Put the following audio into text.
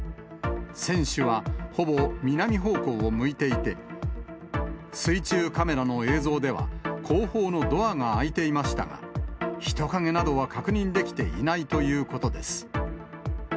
船首はほぼ南方向を向いていて、水中カメラの映像では、後方のドアが開いていましたが、人影などは確認できていないということです。